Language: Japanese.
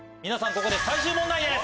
ここで最終問題です。